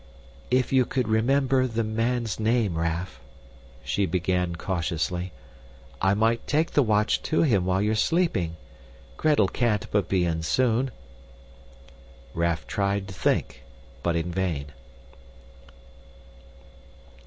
"If you could remember the man's name, Raff," she began cautiously, "I might take the watch to him while you're sleeping. Gretel can't but be in soon." Raff tried to think but in vain.